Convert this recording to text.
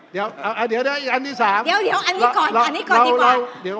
เดี๋ยวอันนี้ก่อนดีกว่า